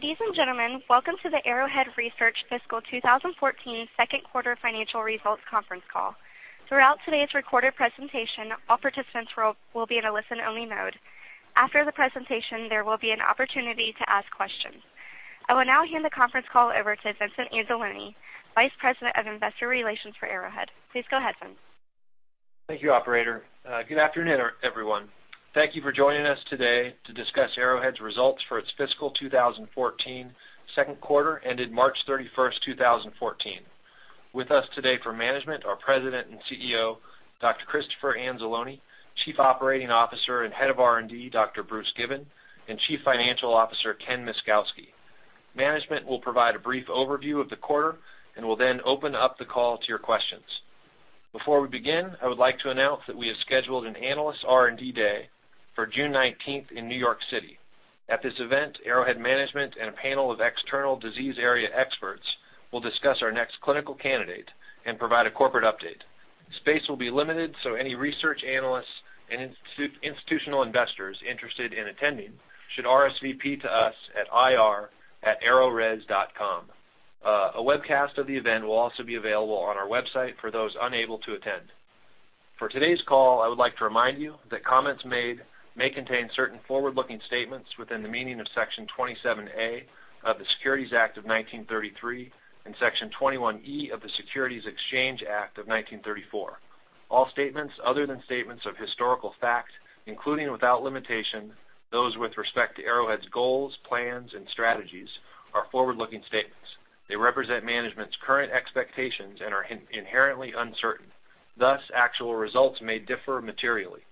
Ladies and gentlemen, welcome to the Arrowhead Research fiscal 2014 second quarter financial results conference call. Throughout today's recorded presentation, all participants will be in a listen-only mode. After the presentation, there will be an opportunity to ask questions. I will now hand the conference call over to Vincent Anzalone, Vice President of Investor Relations for Arrowhead. Please go ahead, Vince. Thank you, operator. Good afternoon, everyone. Thank you for joining us today to discuss Arrowhead's results for its fiscal 2014 second quarter ended March 31st, 2014. With us today for management, our President and CEO, Dr. Christopher Anzalone, Chief Operating Officer and Head of R&D, Dr. Bruce Given, and Chief Financial Officer, Ken Myszkowski. Management will provide a brief overview of the quarter and will then open up the call to your questions. Before we begin, I would like to announce that we have scheduled an analyst R&D day for June 19th in New York City. At this event, Arrowhead management and a panel of external disease area experts will discuss our next clinical candidate and provide a corporate update. Space will be limited, so any research analysts and institutional investors interested in attending should RSVP to us at ir@arrowres.com. A webcast of the event will also be available on our website for those unable to attend. For today's call, I would like to remind you that comments made may contain certain forward-looking statements within the meaning of Section 27A of the Securities Act of 1933 and Section 21E of the Securities Exchange Act of 1934. All statements other than statements of historical fact, including without limitation, those with respect to Arrowhead's goals, plans, and strategies are forward-looking statements. They represent management's current expectations and are inherently uncertain, thus actual results may differ materially.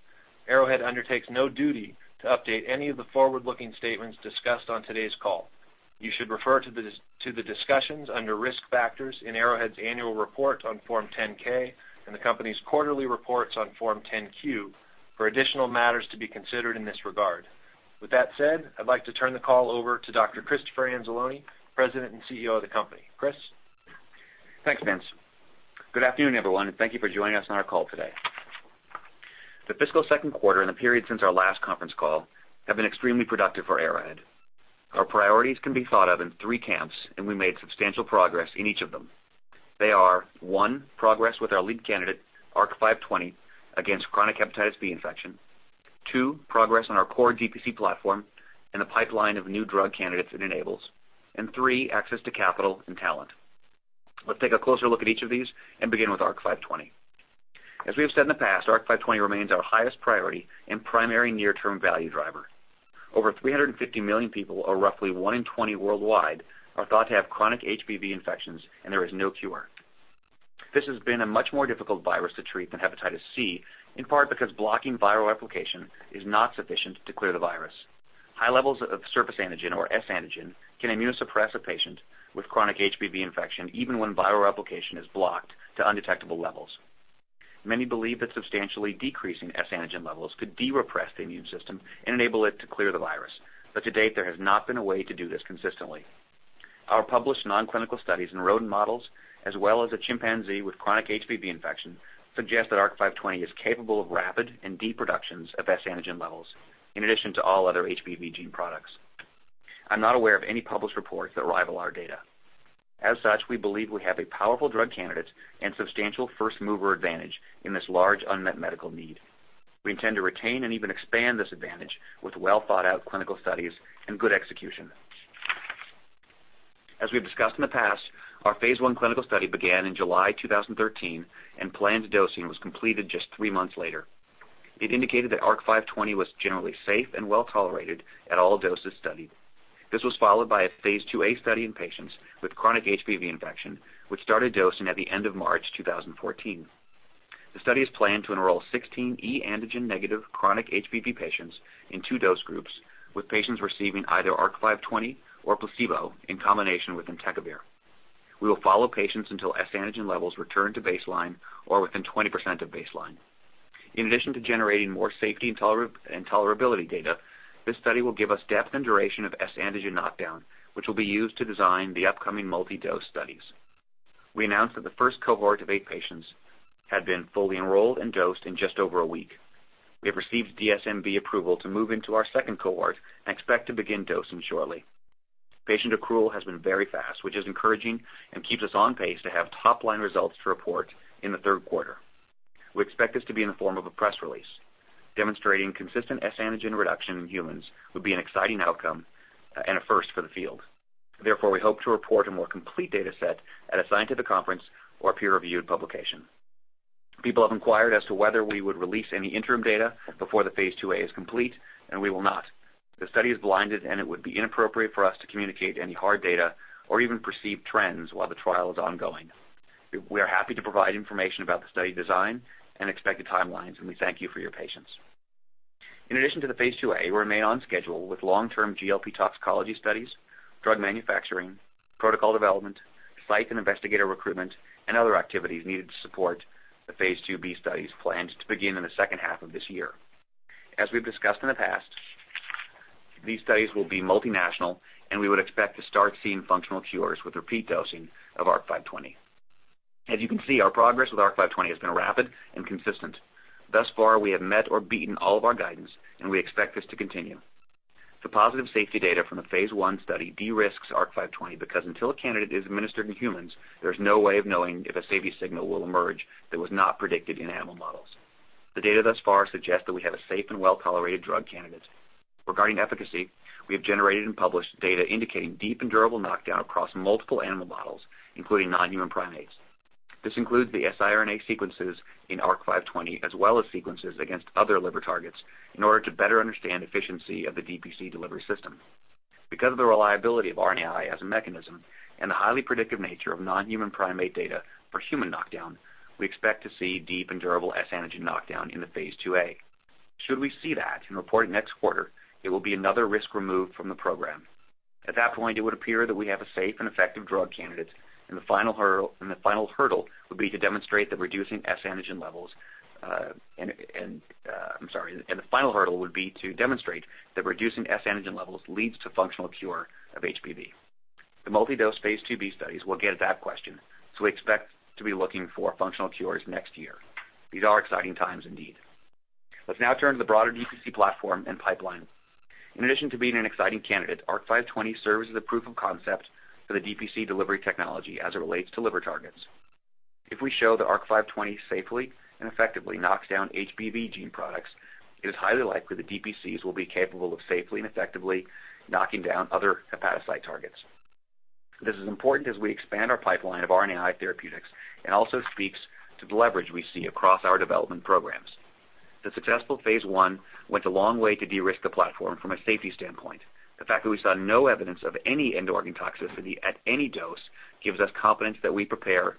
Arrowhead undertakes no duty to update any of the forward-looking statements discussed on today's call. You should refer to the discussions under Risk Factors in Arrowhead's annual report on Form 10-K and the company's quarterly reports on Form 10-Q for additional matters to be considered in this regard. With that said, I'd like to turn the call over to Dr. Christopher Anzalone, President and CEO of the company. Chris? Thanks, Vince. Good afternoon, everyone, and thank you for joining us on our call today. The fiscal second quarter and the period since our last conference call have been extremely productive for Arrowhead. Our priorities can be thought of in three camps. We made substantial progress in each of them. They are, one, progress with our lead candidate, ARC-520, against chronic hepatitis B infection. Two, progress on our core DPC platform and the pipeline of new drug candidates it enables. Three, access to capital and talent. Let's take a closer look at each of these and begin with ARC-520. As we have said in the past, ARC-520 remains our highest priority and primary near-term value driver. Over 350 million people, or roughly one in 20 worldwide, are thought to have chronic HBV infections. There is no cure. This has been a much more difficult virus to treat than hepatitis C, in part because blocking viral replication is not sufficient to clear the virus. High levels of surface antigen or S antigen can immunosuppress a patient with chronic HBV infection even when viral replication is blocked to undetectable levels. Many believe that substantially decreasing S antigen levels could de-repress the immune system and enable it to clear the virus. To date, there has not been a way to do this consistently. Our published nonclinical studies in rodent models, as well as a chimpanzee with chronic HBV infection, suggest that ARC-520 is capable of rapid and deep reductions of S antigen levels in addition to all other HBV gene products. I'm not aware of any published reports that rival our data. As such, we believe we have a powerful drug candidate and substantial first-mover advantage in this large unmet medical need. We intend to retain and even expand this advantage with well-thought-out clinical studies and good execution. As we've discussed in the past, our phase I clinical study began in July 2013. Planned dosing was completed just three months later. It indicated that ARC-520 was generally safe and well-tolerated at all doses studied. This was followed by a phase IIa study in patients with chronic HBV infection, which started dosing at the end of March 2014. The study is planned to enroll 16 E antigen-negative chronic HBV patients in two dose groups, with patients receiving either ARC-520 or placebo in combination with entecavir. We will follow patients until S antigen levels return to baseline or within 20% of baseline. In addition to generating more safety and tolerability data, this study will give us depth and duration of S antigen knockdown, which will be used to design the upcoming multi-dose studies. We announced that the first cohort of eight patients had been fully enrolled and dosed in just over a week. We have received DSMB approval to move into our second cohort and expect to begin dosing shortly. Patient accrual has been very fast, which is encouraging and keeps us on pace to have top-line results to report in the third quarter. We expect this to be in the form of a press release. Demonstrating consistent S antigen reduction in humans would be an exciting outcome and a first for the field. Therefore, we hope to report a more complete data set at a scientific conference or a peer-reviewed publication. People have inquired as to whether we would release any interim data before the phase II-A is complete. We will not. The study is blinded. It would be inappropriate for us to communicate any hard data or even perceived trends while the trial is ongoing. We are happy to provide information about the study design and expected timelines. We thank you for your patience. In addition to the phase II-A, we remain on schedule with long-term GLP toxicology studies, drug manufacturing, protocol development, site and investigator recruitment, and other activities needed to support the phase II-B studies planned to begin in the second half of this year. As we've discussed in the past, these studies will be multinational. We would expect to start seeing functional cures with repeat dosing of ARC-520. As you can see, our progress with ARC-520 has been rapid and consistent. Thus far, we have met or beaten all of our guidance. We expect this to continue. The positive safety data from the phase I study de-risks ARC-520 because until a candidate is administered in humans, there's no way of knowing if a safety signal will emerge that was not predicted in animal models. The data thus far suggests that we have a safe and well-tolerated drug candidate. Regarding efficacy, we have generated and published data indicating deep and durable knockdown across multiple animal models, including non-human primates. This includes the siRNA sequences in ARC-520, as well as sequences against other liver targets in order to better understand efficiency of the DPC delivery system. Because of the reliability of RNAi as a mechanism and the highly predictive nature of non-human primate data for human knockdown, we expect to see deep and durable S antigen knockdown in the phase II-A. Should we see that, report next quarter, it will be another risk removed from the program. At that point, it would appear that we have a safe and effective drug candidate. The final hurdle would be to demonstrate that reducing S antigen levels leads to functional cure of HBV. The multi-dose phase II-B studies will get at that question. We expect to be looking for functional cures next year. These are exciting times indeed. Let's now turn to the broader DPC platform and pipeline. In addition to being an exciting candidate, ARC-520 serves as a proof of concept for the DPC delivery technology as it relates to liver targets. If we show that ARC-520 safely and effectively knocks down HBV gene products, it is highly likely that DPCs will be capable of safely and effectively knocking down other hepatocyte targets. This is important as we expand our pipeline of RNAi therapeutics. It also speaks to the leverage we see across our development programs. The successful phase I went a long way to de-risk the platform from a safety standpoint. The fact that we saw no evidence of any end-organ toxicity at any dose gives us confidence as we prepare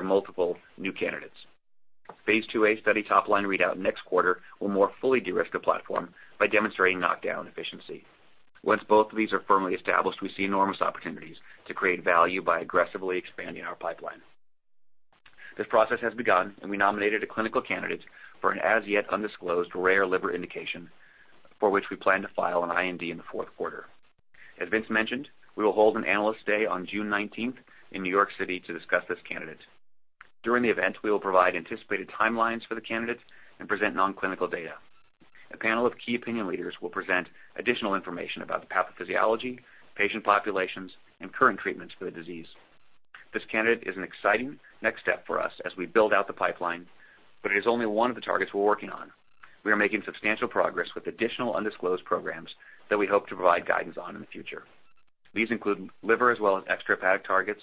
multiple new candidates. The phase II-A study top-line readout next quarter will more fully de-risk the platform by demonstrating knockdown efficiency. Once both of these are firmly established, we see enormous opportunities to create value by aggressively expanding our pipeline. This process has begun. We nominated a clinical candidate for an as-yet undisclosed rare liver indication for which we plan to file an IND in the fourth quarter. As Vince mentioned, we will hold an analyst day on June 19th in New York City to discuss this candidate. During the event, we will provide anticipated timelines for the candidate and present non-clinical data. A panel of key opinion leaders will present additional information about the pathophysiology, patient populations, and current treatments for the disease. This candidate is an exciting next step for us as we build out the pipeline, but it is only one of the targets we're working on. We are making substantial progress with additional undisclosed programs that we hope to provide guidance on in the future. These include liver as well as extrahepatic targets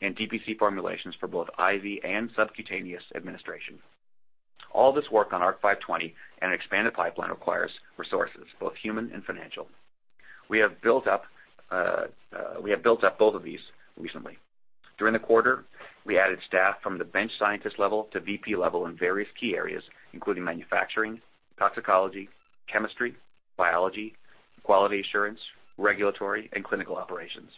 and DPC formulations for both IV and subcutaneous administration. All this work on ARC-520 and expanded pipeline requires resources, both human and financial. We have built up both of these recently. During the quarter, we added staff from the bench scientist level to VP level in various key areas, including manufacturing, toxicology, chemistry, biology, quality assurance, regulatory, and clinical operations.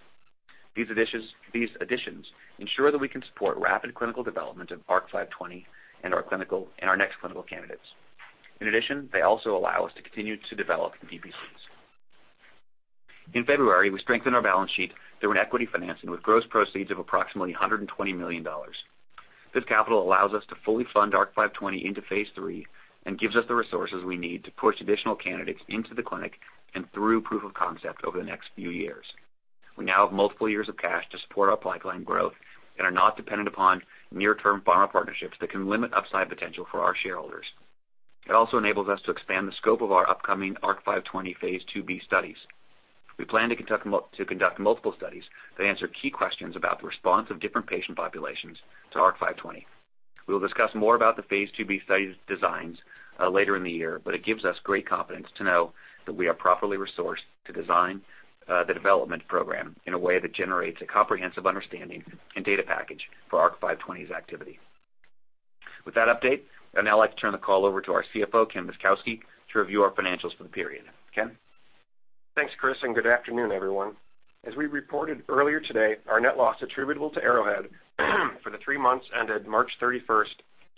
These additions ensure that we can support rapid clinical development of ARC-520 and our next clinical candidates. They also allow us to continue to develop DPCs. In February, we strengthened our balance sheet through an equity financing with gross proceeds of approximately $120 million. This capital allows us to fully fund ARC-520 into phase III and gives us the resources we need to push additional candidates into the clinic and through proof of concept over the next few years. We now have multiple years of cash to support our pipeline growth and are not dependent upon near-term pharma partnerships that can limit upside potential for our shareholders. It enables us to expand the scope of our upcoming ARC-520 phase II-B studies. We plan to conduct multiple studies that answer key questions about the response of different patient populations to ARC-520. We will discuss more about the phase II-B study designs later in the year. It gives us great confidence to know that we are properly resourced to design the development program in a way that generates a comprehensive understanding and data package for ARC-520's activity. With that update, I'd now like to turn the call over to our CFO, Ken Myszkowski, to review our financials for the period. Ken? Thanks, Chris, and good afternoon, everyone. As we reported earlier today, our net loss attributable to Arrowhead for the three months ended March 31st,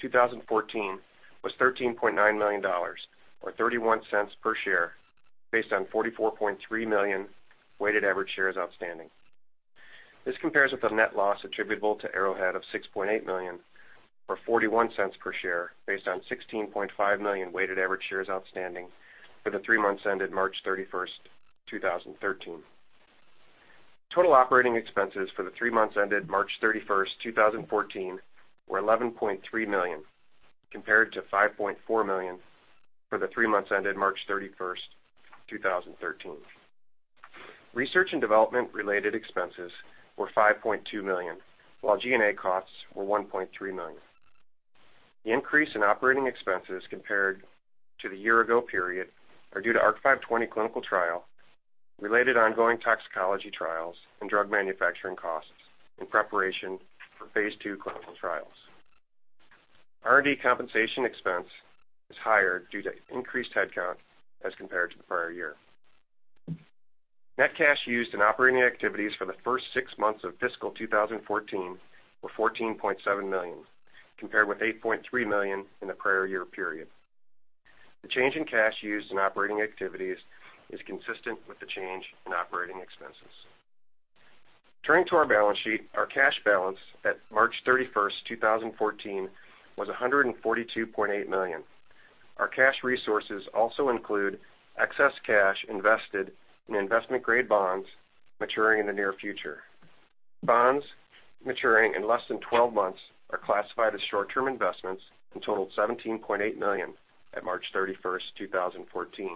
2014, was $13.9 million, or $0.31 per share based on 44.3 million weighted average shares outstanding. This compares with a net loss attributable to Arrowhead of $6.8 million, or $0.41 per share based on 16.5 million weighted average shares outstanding for the three months ended March 31st, 2013. Total operating expenses for the three months ended March 31st, 2014, were $11.3 million compared to $5.4 million for the three months ended March 31st, 2013. Research and development related expenses were $5.2 million, while G&A costs were $1.3 million. The increase in operating expenses compared to the year ago period are due to ARC-520 clinical trial, related ongoing toxicology trials, and drug manufacturing costs in preparation for phase II clinical trials. R&D compensation expense is higher due to increased headcount as compared to the prior year. Net cash used in operating activities for the first six months of fiscal 2014 were $14.7 million, compared with $8.3 million in the prior year period. The change in cash used in operating activities is consistent with the change in operating expenses. Turning to our balance sheet, our cash balance at March 31st, 2014 was $142.8 million. Our cash resources also include excess cash invested in investment-grade bonds maturing in the near future. Bonds maturing in less than 12 months are classified as short-term investments and totaled $17.8 million at March 31st, 2014.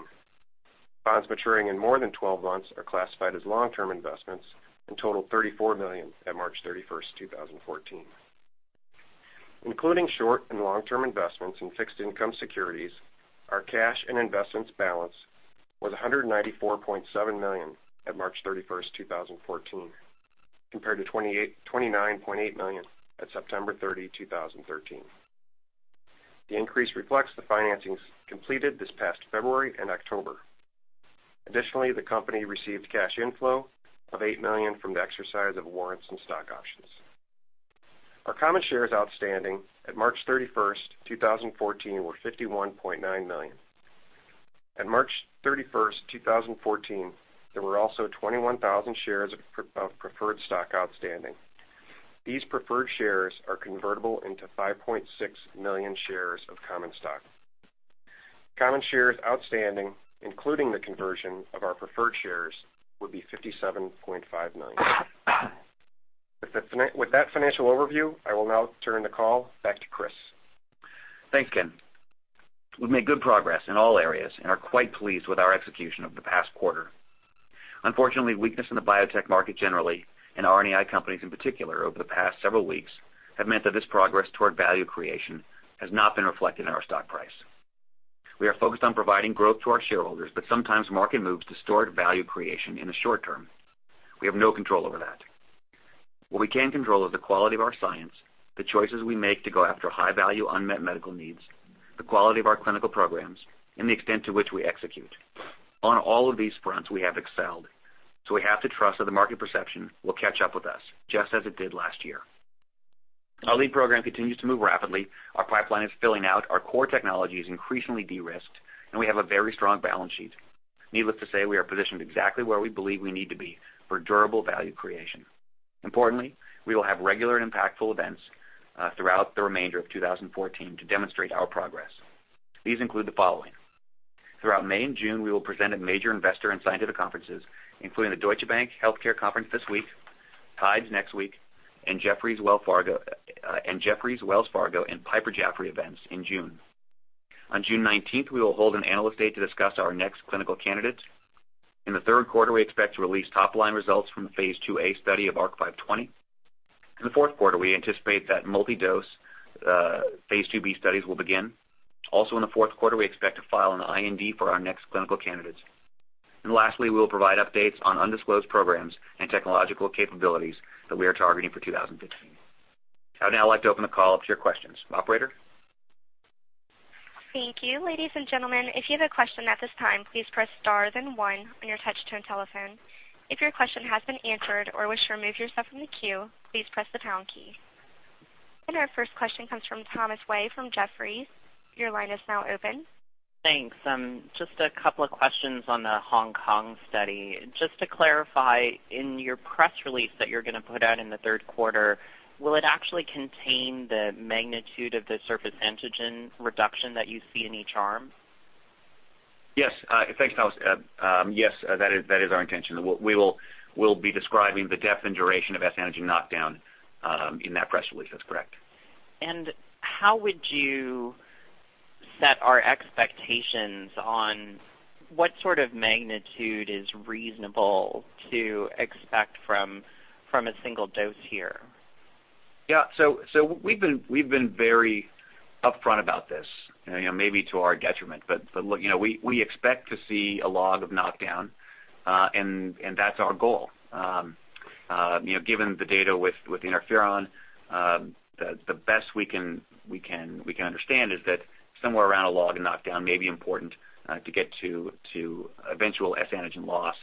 Bonds maturing in more than 12 months are classified as long-term investments and totaled $34 million at March 31st, 2014. Including short and long-term investments in fixed income securities, our cash and investments balance was $194.7 million at March 31st, 2014, compared to $29.8 million at September 30, 2013. The increase reflects the financings completed this past February and October. Additionally, the company received cash inflow of $8 million from the exercise of warrants and stock options. Our common shares outstanding at March 31st, 2014, were $51.9 million. At March 31st, 2014, there were also 21,000 shares of preferred stock outstanding. These preferred shares are convertible into 5.6 million shares of common stock. Common shares outstanding, including the conversion of our preferred shares, would be 57.5 million. With that financial overview, I will now turn the call back to Chris. Thanks, Ken. We've made good progress in all areas and are quite pleased with our execution over the past quarter. Unfortunately, weakness in the biotech market generally, and RNAi companies in particular over the past several weeks, have meant that this progress toward value creation has not been reflected in our stock price. We are focused on providing growth to our shareholders, but sometimes market moves distort value creation in the short term. We have no control over that. What we can control is the quality of our science, the choices we make to go after high-value unmet medical needs, the quality of our clinical programs, and the extent to which we execute. On all of these fronts, we have excelled, so we have to trust that the market perception will catch up with us, just as it did last year. Our lead program continues to move rapidly. Our pipeline is filling out. Our core technology is increasingly de-risked, we have a very strong balance sheet. Needless to say, we are positioned exactly where we believe we need to be for durable value creation. Importantly, we will have regular and impactful events throughout the remainder of 2014 to demonstrate our progress. These include the following. Throughout May and June, we will present at major investor and scientific conferences, including the Deutsche Bank Health Care Conference this week, TIDES next week, and Jefferies, Wells Fargo, and Piper Jaffray events in June. On June 19th, we will hold an Analyst Day to discuss our next clinical candidates. In the third quarter, we expect to release top-line results from the phase II-A study of ARC-520. In the fourth quarter, we anticipate that multi-dose phase II-B studies will begin. In the fourth quarter, we expect to file an IND for our next clinical candidates. Lastly, we will provide updates on undisclosed programs and technological capabilities that we are targeting for 2015. I would now like to open the call up to your questions. Operator? Thank you. Ladies and gentlemen, if you have a question at this time, please press star then one on your touch-tone telephone. If your question has been answered or wish to remove yourself from the queue, please press the pound key. Our first question comes from Thomas Wei from Jefferies. Your line is now open. Thanks. Just a couple of questions on the Hong Kong study. Just to clarify, in your press release that you're going to put out in the third quarter, will it actually contain the magnitude of the surface antigen reduction that you see in each arm? Yes. Thanks, Thomas. Yes, that is our intention. We'll be describing the depth and duration of S-antigen knockdown in that press release. That's correct. how would you set our expectations on what sort of magnitude is reasonable to expect from a single dose here? Yeah. We've been very upfront about this, maybe to our detriment, but we expect to see a log of knockdown, and that's our goal. Given the data with interferon, the best we can understand is that somewhere around a log in knockdown may be important to get to eventual S-antigen loss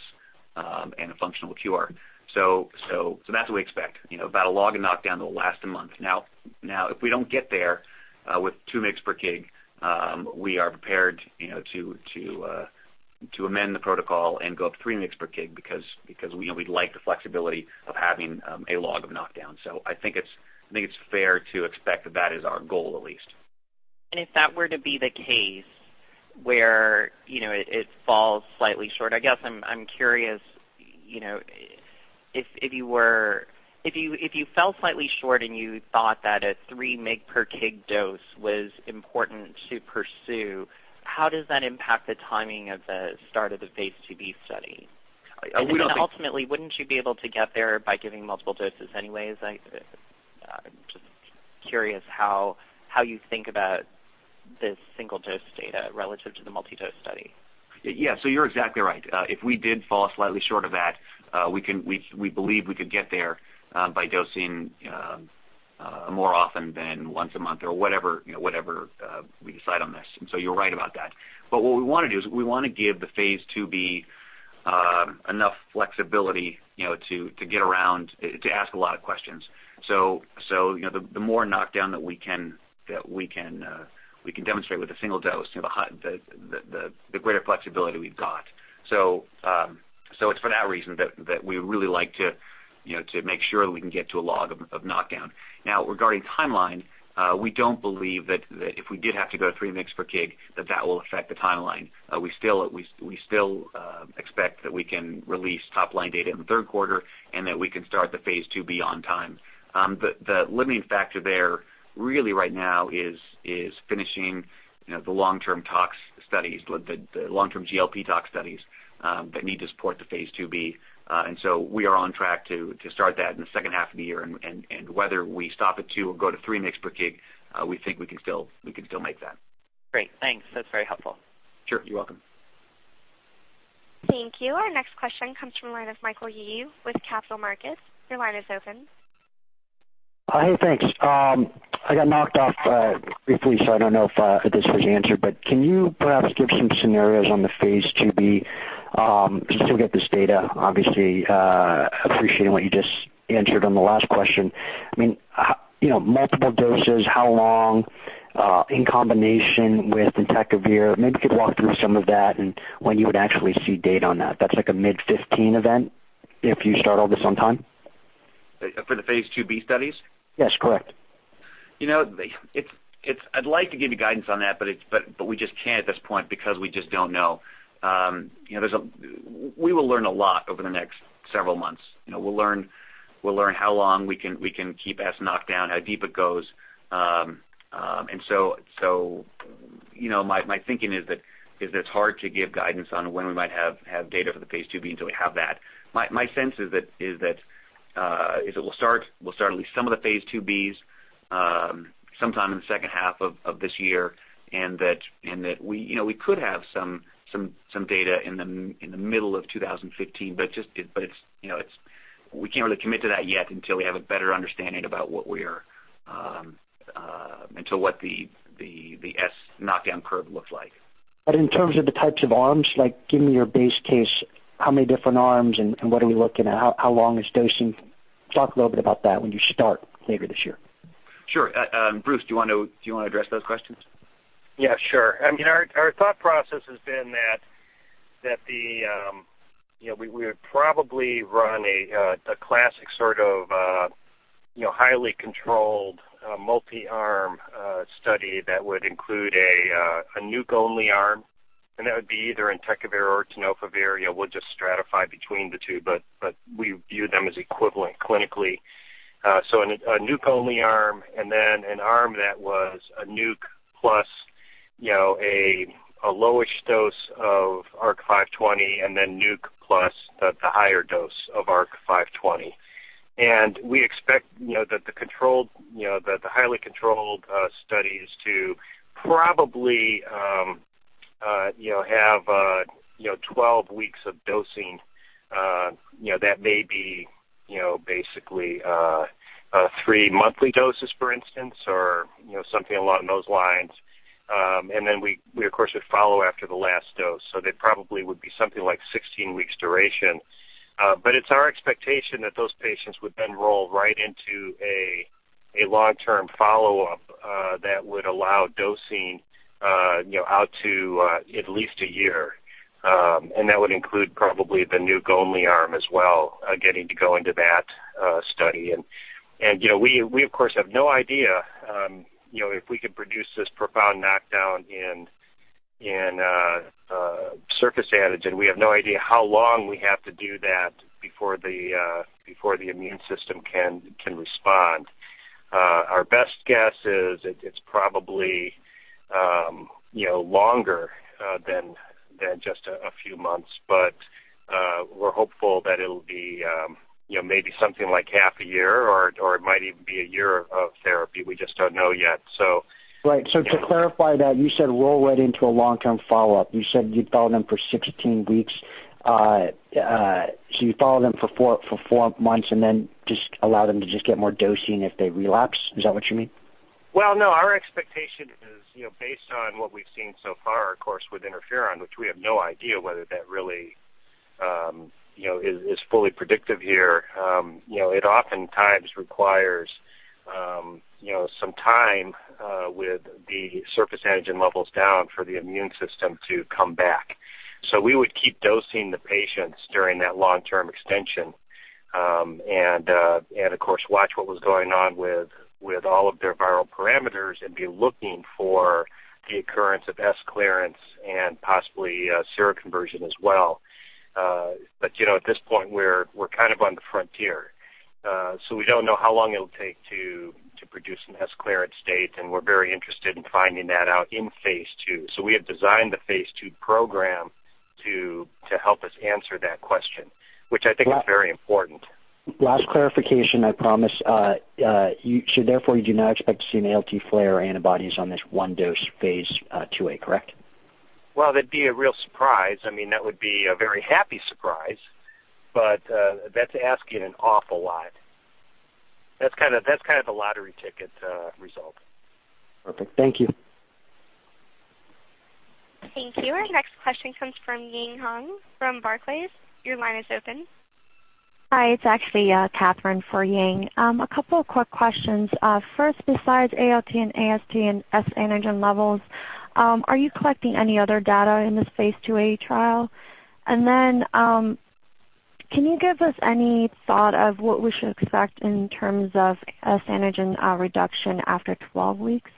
and a functional cure. That's what we expect, about a log in knockdown that will last a month. Now, if we don't get there with two mg per kg, we are prepared to amend the protocol and go up three mg per kg because we'd like the flexibility of having a log of knockdown. I think it's fair to expect that is our goal, at least. If that were to be the case where it falls slightly short, I guess I'm curious, if you fell slightly short and you thought that a three mg per kg dose was important to pursue, how does that impact the timing of the start of the phase II-B study? I wouldn't think- wouldn't you be able to get there by giving multiple doses anyways? I'm just curious how you think about this single-dose data relative to the multi-dose study. Yeah. you're exactly right. If we did fall slightly short of that, we believe we could get there by dosing more often than once a month or whatever we decide on this. you're right about that. what we want to do is we want to give the phase IIb enough flexibility to get around, to ask a lot of questions. the more knockdown that we can demonstrate with a single dose, the greater flexibility we've got. it's for that reason that we really like to make sure that we can get to a log of knockdown. regarding timeline, we don't believe that if we did have to go three mg per kg, that that will affect the timeline. We still expect that we can release top-line data in the third quarter and that we can start the phase IIb on time. The limiting factor there really right now is finishing the long-term tox studies, the long-term GLP tox studies that need to support the phase IIb. we are on track to start that in the second half of the year, and whether we stop at two or go to three mg per kg, we think we can still make that. Great. Thanks. That's very helpful. Sure. You're welcome. Thank you. Our next question comes from the line of Michael Yee with Capital Markets. Your line is open. Hey, thanks. I got knocked off briefly, so I don't know if this was answered, but can you perhaps give some scenarios on the phase IIb to get this data? Obviously, appreciating what you just answered on the last question. I mean, multiple doses, how long in combination with entecavir, maybe you could walk through some of that and when you would actually see data on that. That's like a mid 2015 event if you start all this on time? For the phase IIb studies? Yes, correct. I'd like to give you guidance on that, but we just can't at this point because we just don't know. We will learn a lot over the next several months. We'll learn how long we can keep S knockdown, how deep it goes. My thinking is that it's hard to give guidance on when we might have data for the phase IIb until we have that. My sense is that we'll start at least some of the phase IIbs sometime in the second half of this year, and that we could have some data in the middle of 2015. We can't really commit to that yet until we have a better understanding about what the S knockdown curve looks like. In terms of the types of arms, like give me your base case, how many different arms and what are we looking at? How long is dosing? Talk a little bit about that when you start later this year. Sure. Bruce, do you want to address those questions? Yeah, sure. I mean, our thought process has been that we would probably run a classic sort of highly controlled multi-arm study that would include a NUC-only arm, and that would be either entecavir or tenofovir. We'll just stratify between the two, but we view them as equivalent clinically. A NUC-only arm, and then an arm that was a NUC plus a lowish dose of ARC-520, and then NUC plus the higher dose of ARC-520. We expect that the highly controlled study is to probably have 12 weeks of dosing that may be basically three monthly doses, for instance, or something along those lines. We of course, would follow after the last dose. They probably would be something like 16 weeks duration. It's our expectation that those patients would then roll right into a long-term follow-up that would allow dosing out to at least a year. That would include probably the NUC-only arm as well, getting to go into that study. We of course, have no idea if we can produce this profound knockdown in surface antigen. We have no idea how long we have to do that before the immune system can respond. Our best guess is it's probably longer than just a few months. We're hopeful that it'll be maybe something like half a year, or it might even be a year of therapy. We just don't know yet. Right. To clarify that, you said roll right into a long-term follow-up. You said you'd follow them for 16 weeks. You follow them for four months and then just allow them to just get more dosing if they relapse. Is that what you mean? Well, no. Our expectation is based on what we've seen so far, of course, with interferon, which we have no idea whether that really is fully predictive here. It oftentimes requires some time with the surface antigen levels down for the immune system to come back. We would keep dosing the patients during that long-term extension and of course, watch what was going on with all of their viral parameters and be looking for the occurrence of S clearance and possibly seroconversion as well. At this point, we're kind of on the frontier. We don't know how long it'll take to produce an S clearance state, and we're very interested in finding that out in phase II. We have designed the phase II program to help us answer that question, which I think is very important. Last clarification, I promise. Therefore, you do not expect to see an ALT flare or antibodies on this one dose phase II-A, correct? Well, that'd be a real surprise. That would be a very happy surprise, but that's asking an awful lot. That's kind of the lottery ticket result. Perfect. Thank you. Thank you. Our next question comes from Ying Huang from Barclays. Your line is open. Hi, it's actually Catherine for Ying. A couple of quick questions. First, besides ALT and AST and S antigen levels, are you collecting any other data in this phase IIa trial? Can you give us any thought of what we should expect in terms of S antigen reduction after 12 weeks?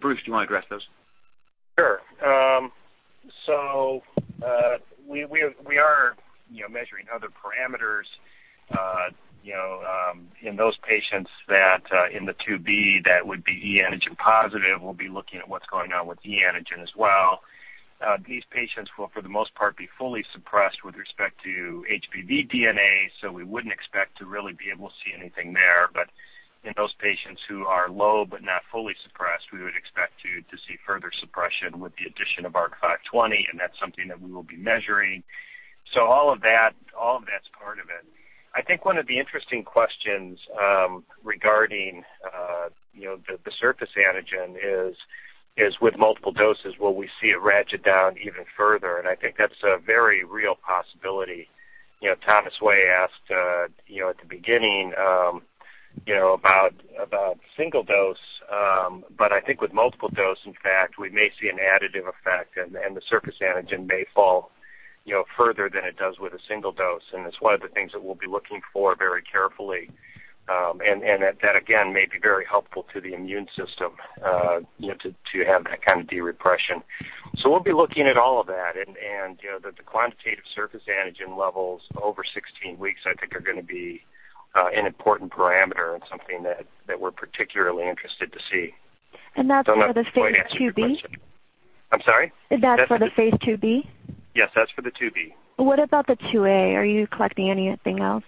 Bruce, do you want to address those? Sure. We are measuring other parameters, in those patients that in the phase IIb that would be E antigen positive, we'll be looking at what's going on with E antigen as well. These patients will, for the most part, be fully suppressed with respect to HBV DNA, we wouldn't expect to really be able to see anything there. In those patients who are low but not fully suppressed, we would expect to see further suppression with the addition of ARC-520, and that's something that we will be measuring. All of that's part of it. I think one of the interesting questions regarding the surface antigen is with multiple doses, will we see it ratchet down even further? I think that's a very real possibility. Thomas Wei asked at the beginning about single dose. I think with multiple dose, in fact, we may see an additive effect and the surface antigen may fall further than it does with a single dose, and it's one of the things that we'll be looking for very carefully. That, again, may be very helpful to the immune system to have that kind of de-repression. We'll be looking at all of that and the quantitative surface antigen levels over 16 weeks, I think are going to be an important parameter and something that we're particularly interested to see. That's for the phase IIb? I'm sorry? That's for the phase IIb? Yes, that's for the IIb. What about the IIa? Are you collecting anything else?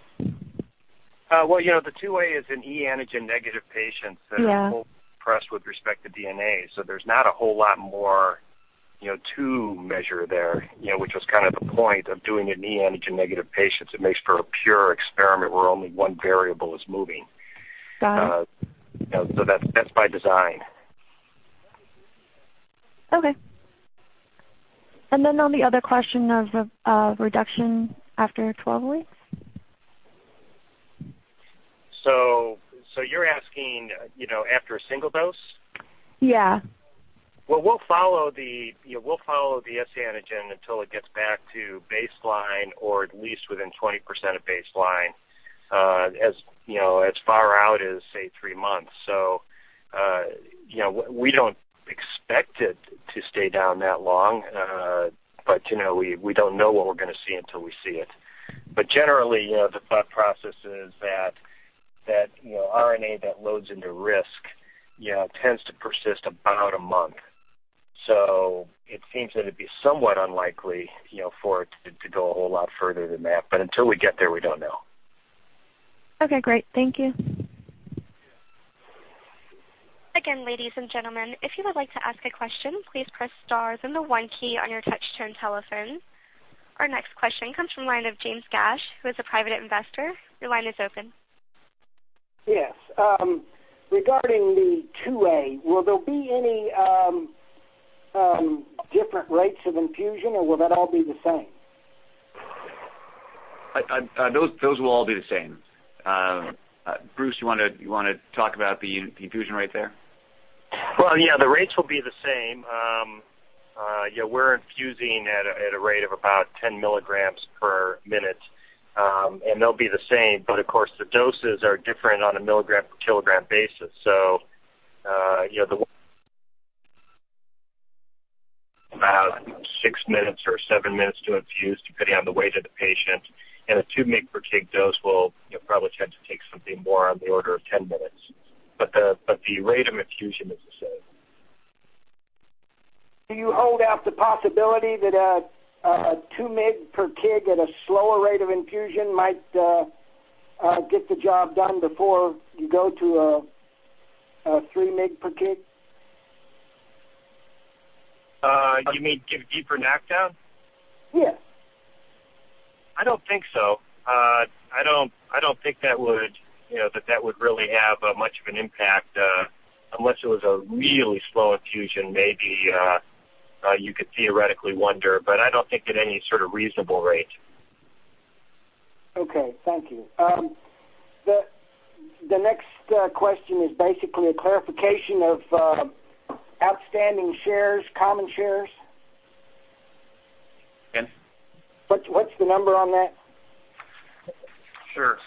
Well, the IIa is an E antigen negative patient. Yeah that's fully suppressed with respect to DNA. There's not a whole lot more to measure there, which was kind of the point of doing it in E antigen negative patients. It makes for a pure experiment where only one variable is moving. Got it. That's by design. Okay. On the other question of reduction after 12 weeks? You're asking after a single dose? Yeah. We'll follow the S antigen until it gets back to baseline or at least within 20% of baseline as far out as, say, three months. We don't expect it to stay down that long. We don't know what we're going to see until we see it. Generally, the thought process is that RNA that loads into RISC tends to persist about a month. It seems that it'd be somewhat unlikely for it to go a whole lot further than that. Until we get there, we don't know. Okay, great. Thank you. Again, ladies and gentlemen, if you would like to ask a question, please press star then the one key on your touch-tone telephone. Our next question comes from line of James Gash, who is a private investor. Your line is open. Yes. Regarding the IIa, will there be any different rates of infusion, or will that all be the same? Those will all be the same. Bruce, you want to talk about the infusion rate there? Well, yeah, the rates will be the same. We're infusing at a rate of about 10 milligrams per minute. They'll be the same. Of course, the doses are different on a milligram per kilogram basis. The about six minutes or seven minutes to infuse, depending on the weight of the patient. A two mg per kg dose will probably tend to take something more on the order of 10 minutes. The rate of infusion is the same. Do you hold out the possibility that a two mg per kg at a slower rate of infusion might get the job done before you go to a three mg per kg? You mean get a deeper knockdown? Yeah. I don't think so. I don't think that would really have much of an impact. Unless it was a really slow infusion, maybe you could theoretically wonder, but I don't think at any sort of reasonable rate. Okay. Thank you. The next question is basically a clarification of outstanding shares, common shares. Ken? What's the number on that? Sure.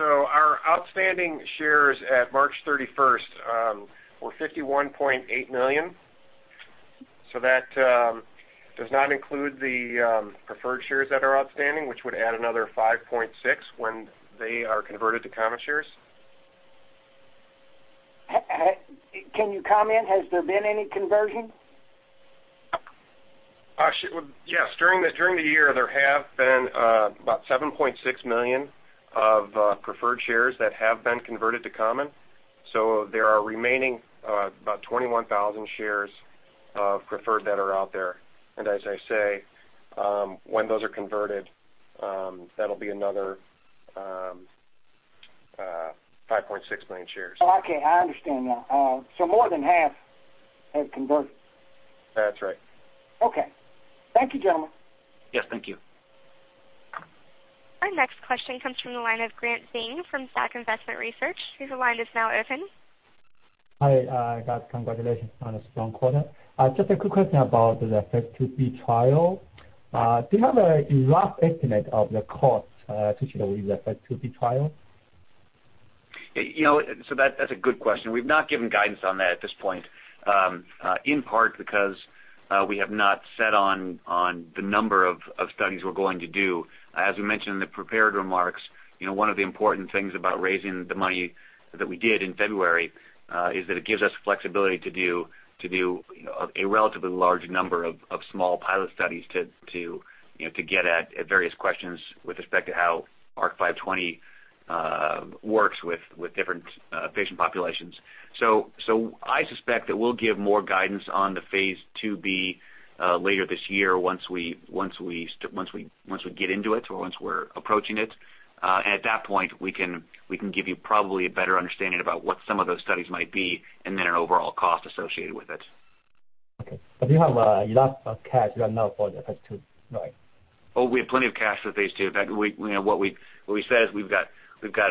Our outstanding shares at March 31st were $51.8 million. That does not include the preferred shares that are outstanding, which would add another 5.6 when they are converted to common shares. Can you comment, has there been any conversion? Yes. During the year, there have been about 7.6 million of preferred shares that have been converted to common. There are remaining about 21,000 shares of preferred that are out there. As I say, when those are converted, that'll be another 5.6 million shares. Oh, okay. I understand now. More than half have converted. That's right. Okay. Thank you, gentlemen. Yes, thank you. Our next question comes from the line of Grant Fang from SAC Investment Research. Your line is now open. Hi. Guys, congratulations on a strong quarter. Just a quick question about the phase IIb trial. Do you have a rough estimate of the cost associated with the phase IIb trial? That's a good question. We've not given guidance on that at this point, in part because we have not set on the number of studies we're going to do. As we mentioned in the prepared remarks, one of the important things about raising the money that we did in February is that it gives us flexibility to do a relatively large number of small pilot studies to get at various questions with respect to how ARC-520 works with different patient populations. I suspect that we'll give more guidance on the phase IIb later this year once we get into it or once we're approaching it. At that point, we can give you probably a better understanding about what some of those studies might be and then an overall cost associated with it. Okay. You have enough cash right now for the phase II, right? Oh, we have plenty of cash for phase II. In fact, what we've said is we've got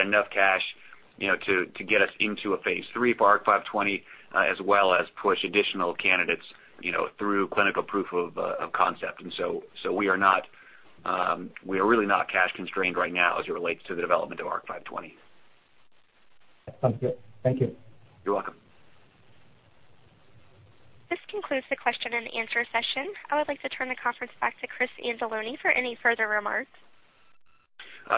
enough cash to get us into a phase III for ARC-520, as well as push additional candidates through clinical proof of concept. We are really not cash constrained right now as it relates to the development of ARC-520. Sounds good. Thank you. You're welcome. This concludes the question and answer session. I would like to turn the conference back to Chris Anzalone for any further remarks.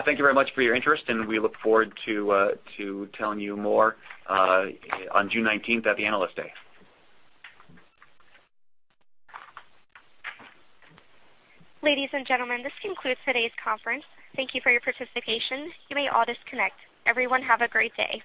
Thank you very much for your interest, and we look forward to telling you more on June 19th at the Analyst Day. Ladies and gentlemen, this concludes today's conference. Thank you for your participation. You may all disconnect. Everyone have a great day.